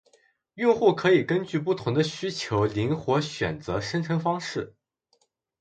用户可以根据不同的需求灵活选择生成方式